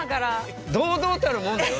堂々たるもんだよ。